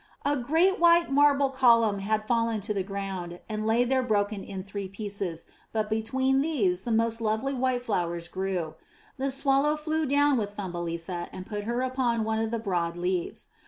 A great white marble column had fallen to the ground and lay there broken in three pieces, but be tween these the most lovely white flowers grew. The Swallow flew down with Thumbelisa and put her upon one of the broad leaves.